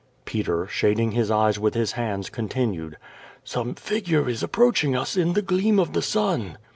Peter, shading his eyes with his hands, continued: "Some figure is approaching us in the gleam of the sun."